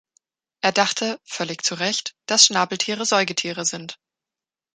Er dachte, völlig zu Recht, dass Schnabeltiere Säugetiere sind.